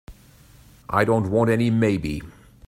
I don't want any maybe.